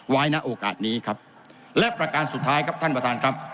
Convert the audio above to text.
ณโอกาสนี้ครับและประการสุดท้ายครับท่านประธานครับ